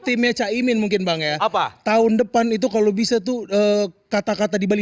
timnya cairinangin questa apa tahun depan itu kalau bisa tunggu dua tahun kemana itu kalau bisa ya sih